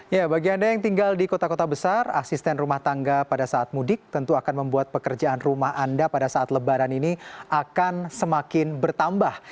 ya bagi anda yang tinggal di kota kota besar asisten rumah tangga pada saat mudik tentu akan membuat pekerjaan rumah anda pada saat lebaran ini akan semakin bertambah